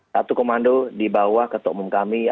satu komando dibawah ketemuan kami